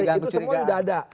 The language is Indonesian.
itu semua sudah ada